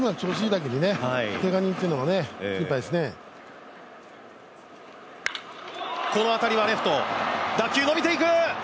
打球、伸びていく！